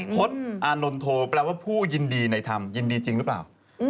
พฤษอานนโทแปลว่าผู้ยินดีในธรรมยินดีจริงหรือเปล่า